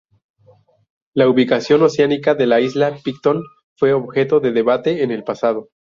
La ubicación oceánica de la isla Picton fue objeto de debate en el pasado.